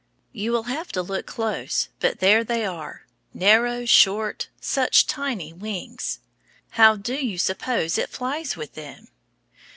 You will have to look close, but there they are, narrow, short, such tiny wings! How do you suppose it flies with them?